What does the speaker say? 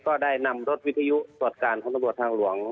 ก็ได้นำรถวิทยุตรวจการทางหลวง๕๔๐๒